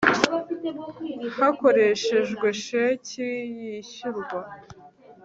hakoreshejwe sheki yishyurwa